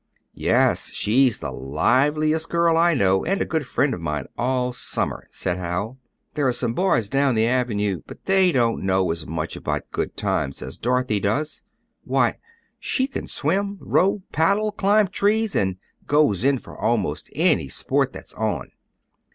"Yes, she's the liveliest girl I know, and a good friend of mine all summer," said Hal. "There are some boys down the avenue, but they don't know as much about good times as Dorothy does. Why, she can swim, row, paddle, climb trees, and goes in for almost any sport that's on.